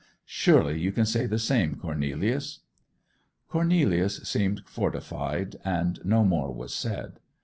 Surely you can say the same, Cornelius!' Cornelius seemed fortified, and no more was said.